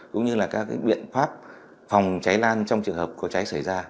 cũng như là các biện pháp phòng cháy lan trong trường hợp có cháy xảy ra